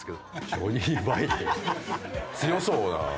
ジョニー・バイキング強そうだな。